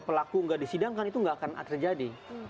pelaku nggak disidangkan itu nggak akan terjadi